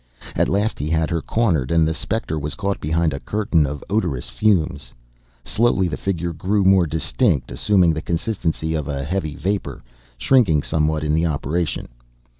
At last he had her cornered, and the specter was caught behind a curtain of odorous fumes. Slowly the figure grew more distinct, assuming the consistency of a heavy vapor, shrinking somewhat in the operation.